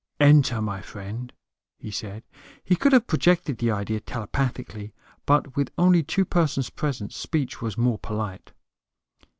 "Enter, my friend," he said. He could have projected the idea telepathically; but with only two persons present, speech was more polite.